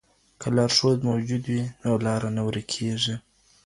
که لارښود موجود وي نو لاره نه ورکېږي.